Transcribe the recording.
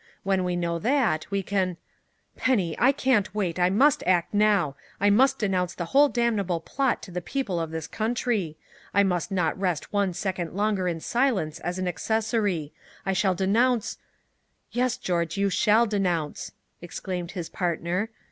When we know that, we can " "Penny, I can't wait. I must act now. I must denounce the whole damnable plot to the people of this country. I must not rest one second longer in silence as an accessory. I shall denounce " "Yes, George, you shall denounce," exclaimed his partner.